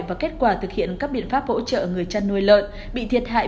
và kết quả thực hiện các biện pháp hỗ trợ người chăn nuôi lợn bị thiệt hại